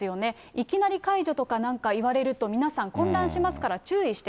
いきなり解除とかなんか言われると、皆さん、混乱しますから注意